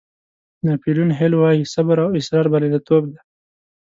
ناپیلیون هیل وایي صبر او اصرار بریالیتوب دی.